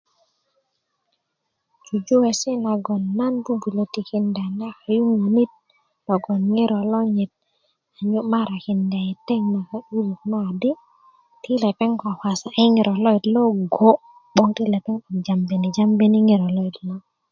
jujuwesi nagon nan bubulö tikinda na kayuŋönit logon ŋiro lonyit a nyu morakinda i teŋ na ka'durök naŋ di ti lepeŋ kwakwasaki ŋiro loyit lo go 'boŋ ti lepeŋ jambini jambi ŋiro loyit lo